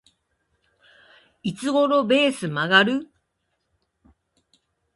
いつ頃ベース曲がる？